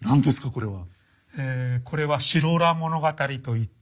これは。